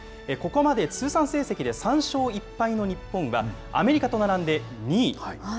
ここまで通算成績で３勝１敗の日本は、アメリカと並んで２位。